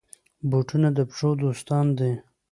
بوټونه د پښو دوستان دي.